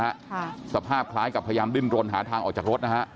ค่ะสภาพคล้ายกับพยายามดิ้นรนหาทางออกจากรถนะฮะ